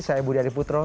saya budi adiputro